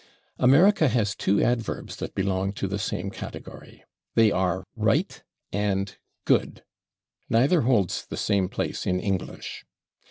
America has two adverbs that belong to the same category. They are /right/ and /good/. Neither holds the same place in English.